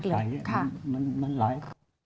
เสื้อกันเผาแล้ว